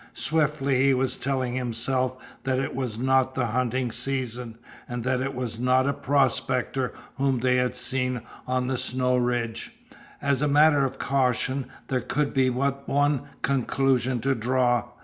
Swiftly he was telling himself that it was not the hunting season, and that it was not a prospector whom they had seen on the snow ridge. As a matter of caution, there could be but one conclusion to draw.